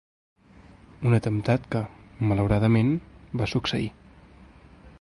Un atemptat que, malauradament, va succeir.